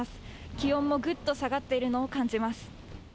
気温もぐっと下がっているのを感